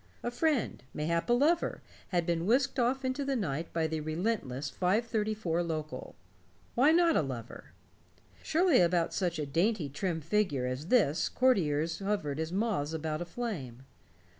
A friend, mayhap a lover, had been whisked off into the night by the relentless five thirty four local. Why not a lover? Surely about such a dainty trim figure as this courtiers hovered as moths about a flame.